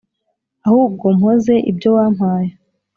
ahubwo mpoze ibyo wampaye,